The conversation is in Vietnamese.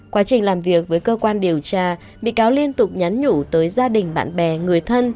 quá trình làm việc với cơ quan điều tra bị cáo liên tục nhắn nhủ tới gia đình bạn bè người thân